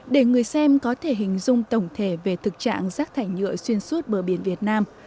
để người xem có thể hình dung tổng thể về thực trạng rác thải nhựa xuyên suốt bờ biển việt nam